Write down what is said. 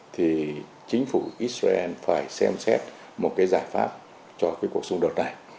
thì chính phủ israel phải xem xét một cái giải pháp cho cái cuộc xung đột này